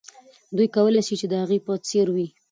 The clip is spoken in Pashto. دوی کولای سي چې د هغې په څېر وي.